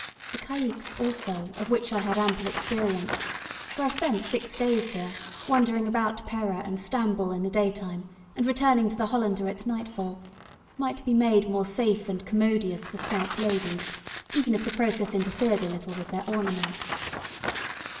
The caicques, also, of which I had ample experience for I spent six days here, wandering about Pera and Stamboul in the daytime, and returning to the "Hollander" at nightfall might be made more safe and commodious for stout ladies, even if the process interfered a little with their ornament.